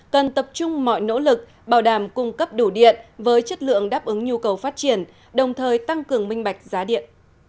cần tập trung mọi nỗ lực bảo đảm cung cấp đủ điện với chất lượng đáp ứng nhu cầu phát triển đồng thời tăng cường minh bạch giá điện